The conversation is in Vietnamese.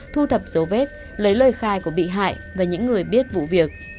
thu thập dấu vết lấy lời khai của bị hại và những người biết vụ việc